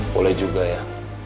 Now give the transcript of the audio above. boleh juga ya